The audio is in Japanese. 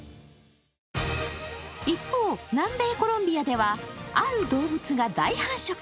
一方、南米コロンビアではある動物が大繁殖。